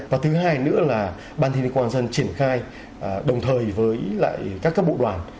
và thứ hai nữa là ban thiết kế quan dân triển khai đồng thời với lại các các bộ đoàn